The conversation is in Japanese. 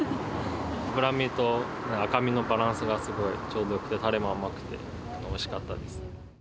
脂身と赤身のバランスがすごいちょうどよくて、たれも甘くておいしかったです。